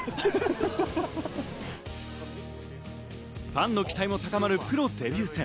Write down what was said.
ファンの期待も高まるプロデビュー戦。